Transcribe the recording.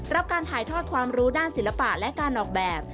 รับการถ่ายทอดความรู้ด้านศิลปะและการออกแบบ